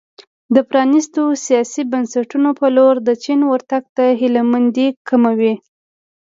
د پرانیستو سیاسي بنسټونو په لور د چین ورتګ ته هیله مندي کموي.